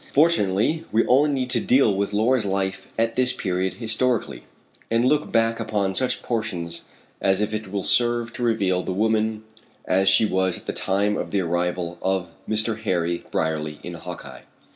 Fortunately we only need to deal with Laura's life at this period historically, and look back upon such portions of it as will serve to reveal the woman as she was at the time of the arrival of Mr. Harry Brierly in Hawkeye.